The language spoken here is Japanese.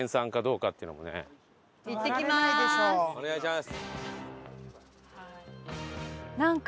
お願いします。